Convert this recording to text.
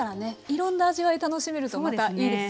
いろんな味わい楽しめるとまたいいですよね。